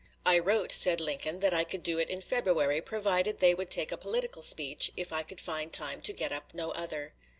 "I wrote," said Lincoln, "that I could do it in February, provided they would take a political speech, if I could find time to get up no other."